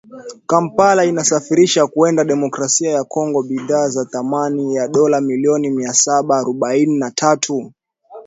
Kampala inasafirisha kwenda Demokrasia ya Kongo bidhaa za thamani ya dola milioni mia saba arobaini na tatu